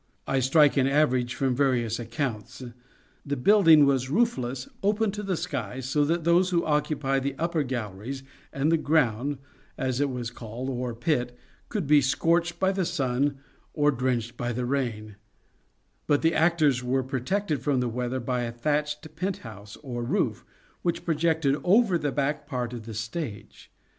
I strike an average froin various accounts. The building was roofless, open to the sky, so that those who occupied the upper galleries and the ground, as it was called, or pit, could be scorched by the sun or drenched by the rain ; but the actors were protected from the weather by a thatched penthouse, or roof, which projected over the back part of the stage.